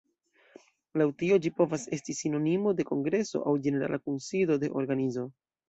Laŭ tio ĝi povas esti sinonimo de kongreso aŭ ĝenerala kunsido de organizo.